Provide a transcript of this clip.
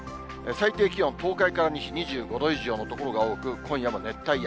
最低気温、東海から西、２５度以上の所が多く、今夜も熱帯夜。